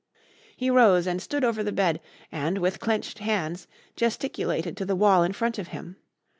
He rose and stood over the bed and, with clenched hands, gesticulated to the wall in front of him.